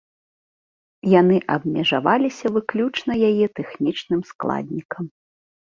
Яны абмежаваліся выключна яе тэхнічным складнікам.